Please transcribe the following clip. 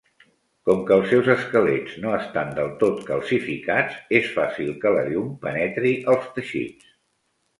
Com que els seus esquelets no estan del tot calcificats, és fàcil que la llum penetri als teixits.